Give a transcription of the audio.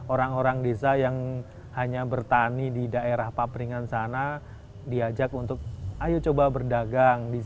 orang orang desa yang hanya bertani di daerah papringan di ajak untuk berdagang